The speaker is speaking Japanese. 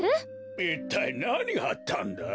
いったいなにがあったんだ？